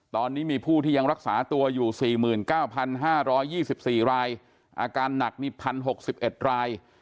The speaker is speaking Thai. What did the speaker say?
ตอนนี้มีผู้ที่ยังรักษาตัวอยู่๔๙๕๒๔รายอาการหนักนี่๑๐๖๑ราย